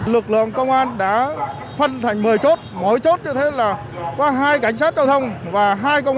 lực lượng công an đã phân thành một mươi chốt mỗi chốt như thế là có hai cảnh sát giao thông và hai công